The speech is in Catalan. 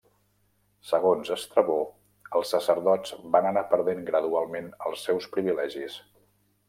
Segons Estrabó, els sacerdots van anar perdent gradualment els seus privilegis.